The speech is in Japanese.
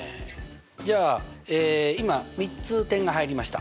じゃあ今３つ点が入りました。